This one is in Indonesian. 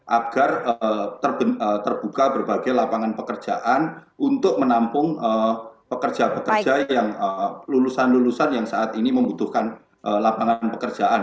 agar terbuka berbagai lapangan pekerjaan untuk menampung pekerja pekerja yang lulusan lulusan yang saat ini membutuhkan lapangan pekerjaan